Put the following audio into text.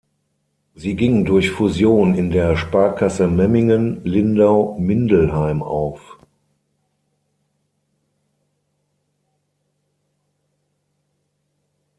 Sie ging durch Fusion in der Sparkasse Memmingen-Lindau-Mindelheim auf.